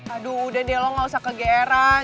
aduh udah deh lo gak usah kegeeran